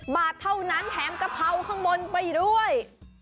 บาทเท่านั้นแถมกะเพราข้างบนไปด้วย